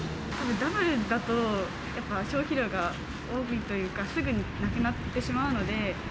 ダブルだと、やっぱ消費量が多いというか、すぐになくなってしまうので。